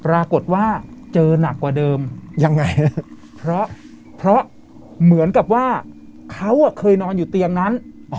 ปรากฏว่าเจอหนักกว่าเดิมยังไงเพราะเหมือนกับว่าเขาเคยนอนอยู่เตียงนั้น